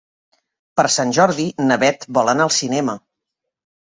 Per Sant Jordi na Beth vol anar al cinema.